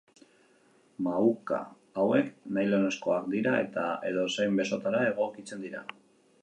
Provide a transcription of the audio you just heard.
Mahuka hauek nylonezkoak dira eta edozein besotara egokitzen dira.